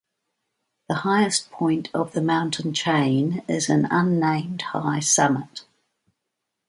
The highest point of the mountain chain is an unnamed high summit.